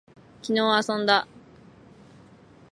昨日遊んだ